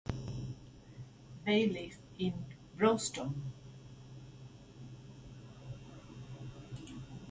They live in Broadstone.